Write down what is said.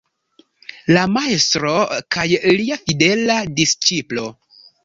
La Majstro kaj lia fidela disĉiplo.